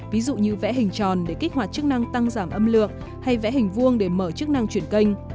ví dụ như vẽ hình tròn để kích hoạt chức năng tăng giảm âm lượng hay vẽ hình vuông để mở chức năng chuyển kênh